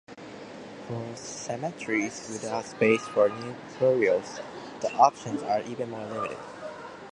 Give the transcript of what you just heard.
For cemeteries without space for new burials, the options are even more limited.